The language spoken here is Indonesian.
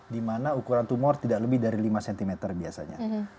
di mana ukuran tumor tidak lebih dari lima cm biasanya